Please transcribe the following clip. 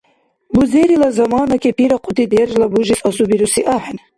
Бузерила замана кепирахъути держла бужес асубируси ахӏен.